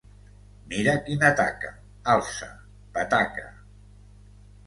Mira quina taca. —Alça, petaca!